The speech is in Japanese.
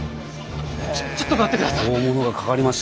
ちょちょっと待って下さい！